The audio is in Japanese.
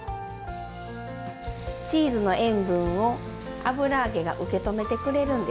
チーズの塩分を油揚げが受け止めてくれるんです。